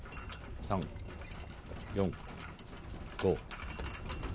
３４５。